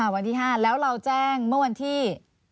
วันที่๕แล้วเราแจ้งเมื่อวันที่